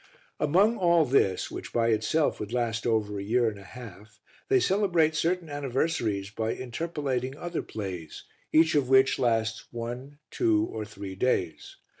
Among all this, which by itself would last over a year and a half, they celebrate certain anniversaries by interpolating other plays, each of which lasts one, two, or three days.